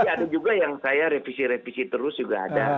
tapi ada juga yang saya revisi revisi terus juga ada